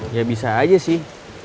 ya bisa aja sih